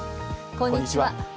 こんにちは。